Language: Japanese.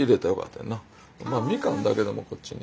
みかんだけでもこっちに。